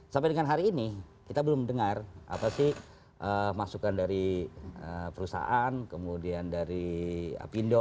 sampai dengan hari ini kita belum dengar apa sih masukan dari perusahaan kemudian dari apindo